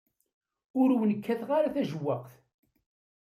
Ur wen-kkateɣ ara tajewwaqt.